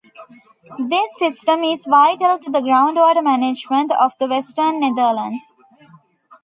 This system is vital to the groundwater management of the Western Netherlands.